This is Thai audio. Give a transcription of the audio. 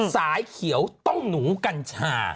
สายเขียวต้องหนูกัญชา